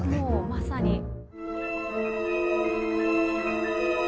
もうまさに。